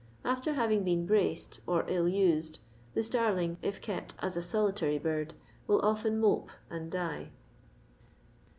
After having been braced, or ill used, the starling, if kept as a solitary bird, will often mope and die.